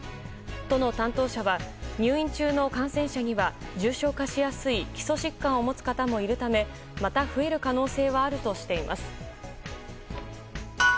都の担当者は入院中の感染者には重症化しやすい基礎疾患を持つ方もいるためまた増える可能性はあるとしています。